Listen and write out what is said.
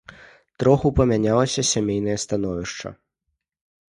Троху памянялася сямейнае становішча.